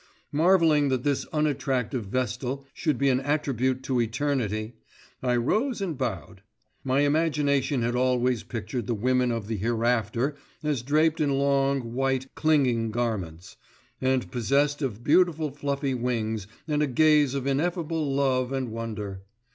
Marvelling that this unattractive Vestal should be an attribute to Eternity, I rose and bowed. My imagination had always pictured the women of the Hereafter as draped in long, white, clinging garments, and possessed of beautiful fluffy wings and a gaze of ineffable love and wonder.